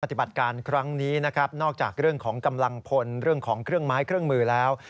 ปฏิบัติการครั้งนี้นะครับนอกจากเรื่องของกำลังพลเรื่องของเครื่องไม้เครื่องมือแล้ว